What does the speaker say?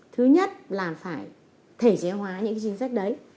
thứ nhất là phải thể chế hóa những chính sách đấy